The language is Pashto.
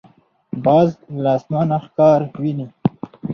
باز له اسمانه ښکار ویني.